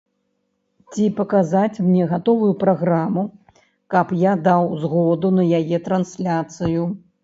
Ці паказаць мне гатовую праграму, каб я даў згоду на яе трансляцыю.